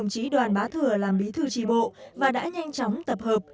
chí đoàn bá thừa làm bí thư tri bộ và đã nhanh chóng tập hợp